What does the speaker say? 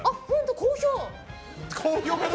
好評？